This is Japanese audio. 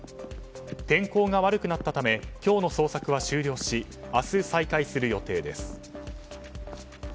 天候が悪くなったため今日の捜索は終了し明日、再開する予定です。